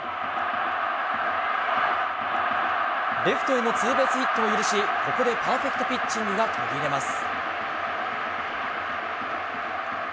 レフトへのツーベースヒットを許し、ここでパーフェクトピッチングが途切れます。